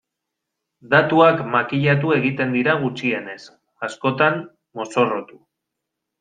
Datuak makillatu egiten dira gutxienez, askotan mozorrotu.